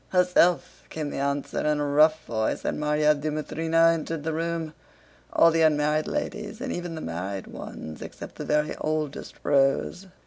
"Herself," came the answer in a rough voice, and Márya Dmítrievna entered the room. All the unmarried ladies and even the married ones except the very oldest rose.